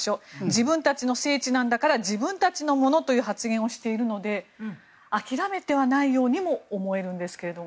自分たちの聖地なんだから自分たちのものという発言をしているので諦めてはないようにも思えるんですが。